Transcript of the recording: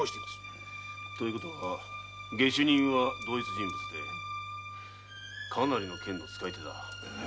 つまり下手人は同一人物でかなりの剣の使い手だな。